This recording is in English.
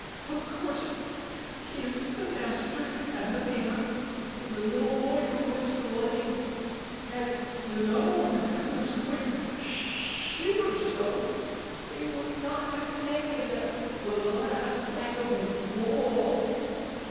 Of course if the master and the man, and the little boy who lives in the lane, had known I was going to shiver so, they would not have taken the last bag of wool.